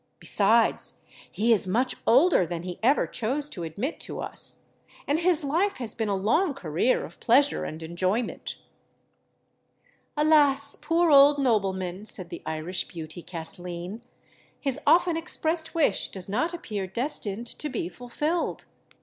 Besides, he is much older than he ever chose to admit to us; and his life has been a long career of pleasure and enjoyment." "Alas! poor old nobleman," said the Irish beauty, Kathleen; "his often expressed wish does not appear destined to be fulfilled!